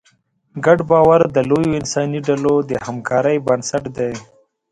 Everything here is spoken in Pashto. ګډ باور د لویو انساني ډلو د همکارۍ بنسټ دی.